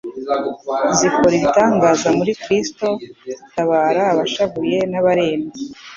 zikora ibitangaza muri Kristo zitabara abashavuye n'abarembye.